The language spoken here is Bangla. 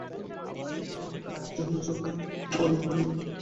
বিস্মিত কমলা ভূমিষ্ঠ হইয়া চক্রবর্তীকে প্রণাম করিল।